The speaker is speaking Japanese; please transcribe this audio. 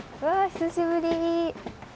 久しぶり。